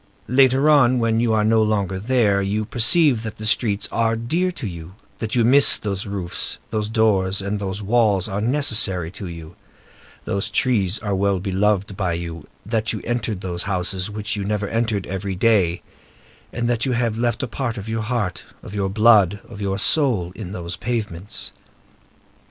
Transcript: Later on, when you are no longer there, you perceive that the streets are dear to you; that you miss those roofs, those doors; and that those walls are necessary to you, those trees are well beloved by you; that you entered those houses which you never entered, every day, and that you have left a part of your heart, of your blood, of your soul, in those pavements.